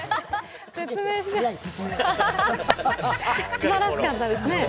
すばらしかったですね。